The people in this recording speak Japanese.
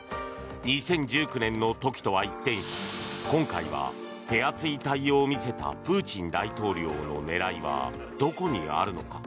２０１９年の時とは一転し今回は手厚い対応を見せたプーチン大統領の狙いはどこにあるのか。